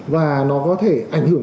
và nó có thể ảnh hưởng